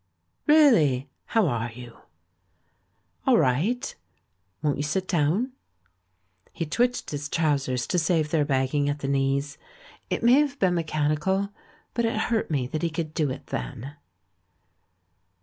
"Really! How are you?" "All right. Won't you sit down?" He twitched his trousers to save their bagging at the knees. It may have been mechanical, but it hurt me that he could do it then.